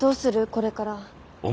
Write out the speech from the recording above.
これから。